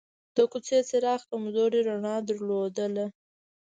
د کوڅې څراغ کمزورې رڼا درلوده.